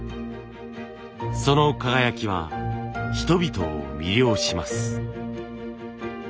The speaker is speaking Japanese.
その輝きは人々を魅了します。